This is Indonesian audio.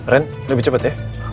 ren lebih cepet ya